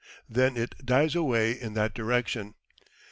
Then it dies away in that direction.